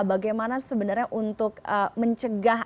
bagaimana sebenarnya untuk mencegah